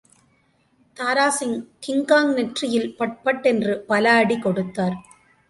Dara Singh King Kong நெற்றியில் பட்பட் என்று பல அடிகொடுத்தார்.